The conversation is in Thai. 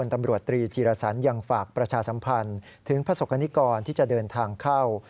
ตำรวจตรีธีรสันยังฝากประชาสัมพันธ์ถึงประสบกรณิกรที่จะเดินทางเข้า